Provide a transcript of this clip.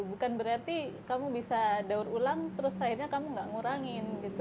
bukan berarti kamu bisa daur ulang terus akhirnya kamu gak ngurangin gitu